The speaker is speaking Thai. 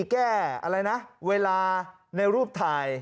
แก้เวลาในรูปถ่าย